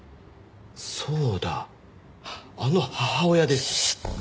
そうだあの母親ですよ。